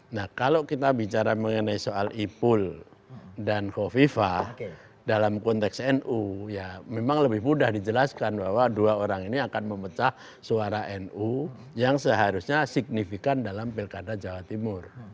nah kalau kita bicara mengenai soal ipul dan kofifah dalam konteks nu ya memang lebih mudah dijelaskan bahwa dua orang ini akan memecah suara nu yang seharusnya signifikan dalam pilkada jawa timur